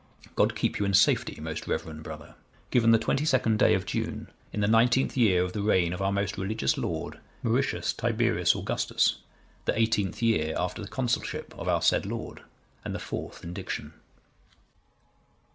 God keep you in safety, most reverend brother. Given the 22nd day of June, in the nineteenth year of the reign of our most religious lord, Mauritius Tiberius Augustus, the eighteenth year after the consulship of our said lord, and the fourth indiction."